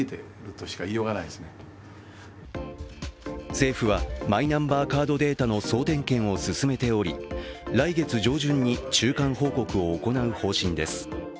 政府はマイナンバーカードデータの総点検を進めており来月上旬に中間報告を行う方針です。